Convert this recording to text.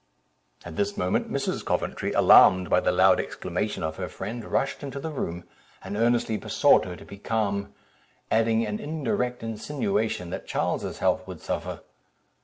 At this moment, Mrs. Coventry, alarmed by the loud exclamation of her friend, rushed into the room, and earnestly besought her to be calm, adding an indirect insinuation that Charles's health would suffer.